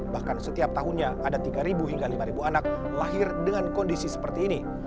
bahkan setiap tahunnya ada tiga hingga lima anak lahir dengan kondisi seperti ini